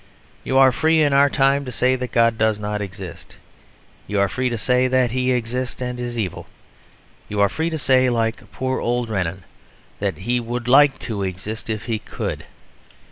You are free in our time to say that God does not exist; you are free to say that He exists and is evil; you are free to say (like poor old Renan) that He would like to exist if He could.